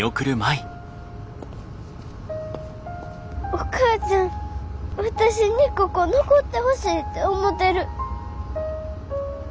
お母ちゃん私にここ残ってほしいて思てる。